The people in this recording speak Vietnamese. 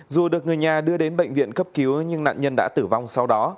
dù được người nhà đưa đến bệnh viện cấp cứu nhưng nạn nhân đã tử vong sau đó